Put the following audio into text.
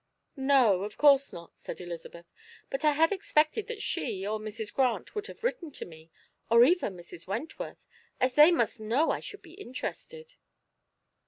"No, of course not," said Elizabeth; "but I had expected that she or Mrs. Grant would have written to me, or even Mrs. Wentworth, as they must know I should be interested."